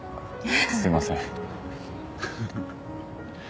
すいません。